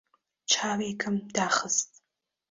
چاوێکم داخست.